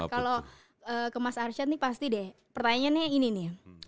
kalau ke mas arsyad nih pasti deh pertanyaannya ini nih ya